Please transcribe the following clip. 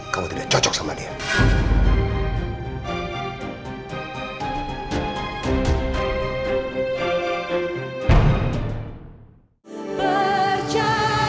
kau tidak cocok sama dia